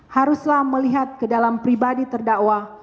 haruslah melihat ke dalam pribadi terdakwa